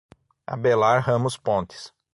Abelar Ramos Pontes